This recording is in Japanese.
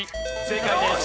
正解です。